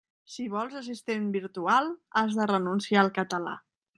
Si vols assistent virtual, has de renunciar al català.